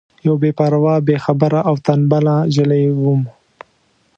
یوه بې پروا بې خبره او تنبله نجلۍ وم.